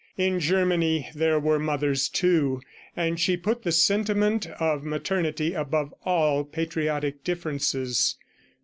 In Germany there were mothers, too, and she put the sentiment of maternity above all patriotic differences.